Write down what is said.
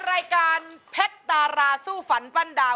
รายการเพชรดาราสู้ฝันปั้นดาว